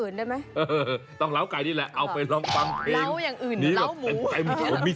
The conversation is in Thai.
แจ้งหัวทรมานหลบลงข้างในหัวใจ